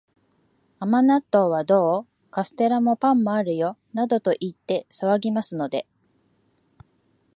甘納豆はどう？カステラも、パンもあるよ、などと言って騒ぎますので、